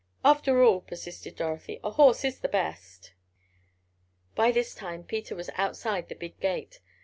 "After all," persisted Dorothy, "a horse is the best." By this time Peter was outside the big gate.